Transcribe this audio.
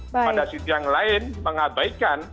pada sisi yang lain mengabaikan